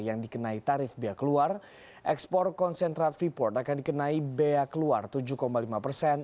yang dikenai tarif bea keluar ekspor konsentrat freeport akan dikenai bea keluar tujuh lima persen